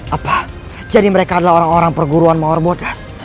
apa jadi mereka adalah orang orang perguruan mawar modes